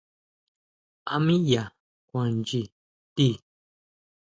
¿A mí yaa kuan nyi ti?